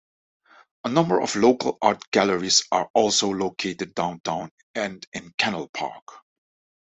A number of local art galleries are also located downtown and in Canal Park.